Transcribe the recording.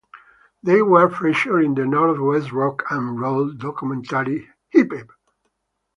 They were featured in the Northwest Rock and Roll documentary "Hype!".